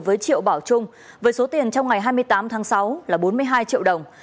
với triệu bảo trung với số tiền trong ngày hai mươi tám tháng sáu là bốn mươi hai triệu đồng